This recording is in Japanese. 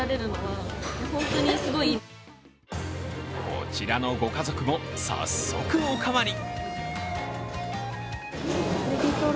こちらのご家族も、早速おかわり。